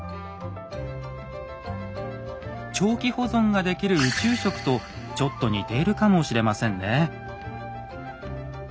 長期保存ができる宇宙食とちょっと似ているかもしれませんね。